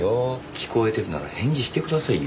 聞こえてるなら返事してくださいよ。